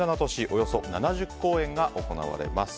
およそ７０公演が行われます。